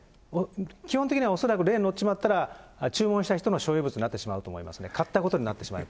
基本的には、恐らくレーンに載ってしまったら、注文したした人の所有物になってしまうと思いますね、買ったことになってしまうと。